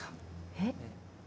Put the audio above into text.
えっ？